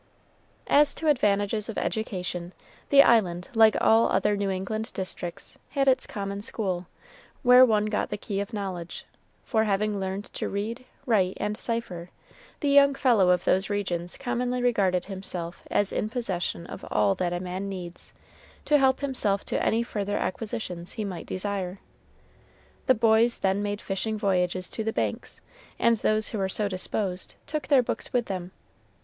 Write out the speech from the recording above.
As to advantages of education, the island, like all other New England districts, had its common school, where one got the key of knowledge, for having learned to read, write, and cipher, the young fellow of those regions commonly regarded himself as in possession of all that a man needs, to help himself to any further acquisitions he might desire. The boys then made fishing voyages to the Banks, and those who were so disposed took their books with them.